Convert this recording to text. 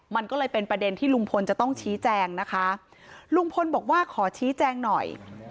มันก็เลยเป็นประเด็นที่ลุงพลจะต้องชี้แจงนะคะลุงพลบอกว่าขอชี้แจงหน่อย